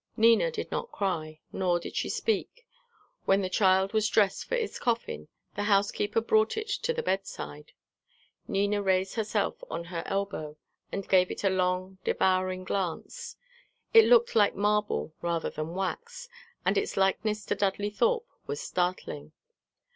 Nina did not cry, nor did she speak. When the child was dressed for its coffin, the housekeeper brought it to the bedside. Nina raised herself on her elbow, and gave it a long devouring glance. It looked like marble rather than wax, and its likeness to Dudley Thorpe was startling.